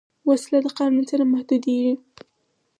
وسله د قانون سره محدودېږي